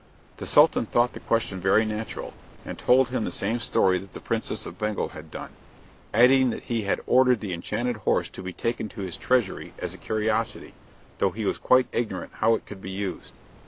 The Sultan thought the question very natural, and told him the same story that the Princess of Bengal had done, adding that he had ordered the enchanted horse to be taken to his treasury as a curiosity, though he was quite ignorant how it could be used.